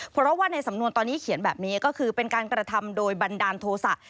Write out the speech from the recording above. เพราะว่าในสำนวนตอนนี้เขียนแบบนี้ก็คือเป็นการกระทำโดยบันดาลโทษะ